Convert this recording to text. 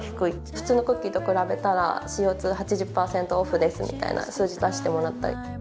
「普通のクッキーと比べたらＣＯ８０％オフです」みたいな数字出してもらったり。